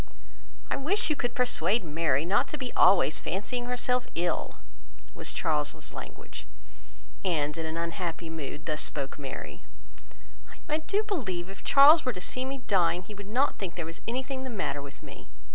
"I wish you could persuade Mary not to be always fancying herself ill," was Charles's language; and, in an unhappy mood, thus spoke Mary: "I do believe if Charles were to see me dying, he would not think there was anything the matter with me.